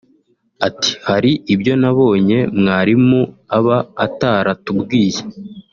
Ati “Hari ibyo nabonye mwarimu aba ataratubwiye